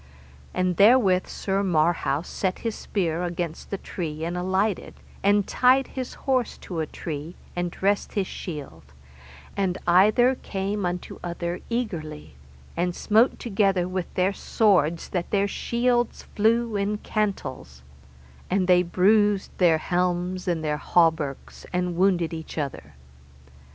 And therewith Sir Marhaus set his spear against a tree and alighted and tied his horse to a tree, and dressed his shield, and either came unto other eagerly, and smote together with their swords that their shields flew in cantels, and they bruised their helms and their hauberks, and wounded either other.